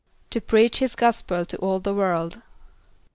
=To preach his gospel to all the world.